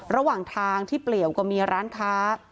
ระหว่างทางที่เปลี่ยวก็มีร้านค้า